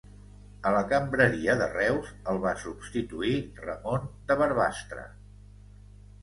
A la cambreria de Reus el va substituir Ramon de Barbastre.